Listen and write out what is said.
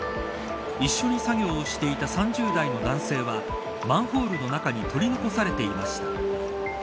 一緒に作業をしていた３０代の男性はマンホールの中に取り残されていました。